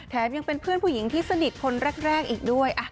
ยังเป็นเพื่อนผู้หญิงที่สนิทคนแรกอีกด้วย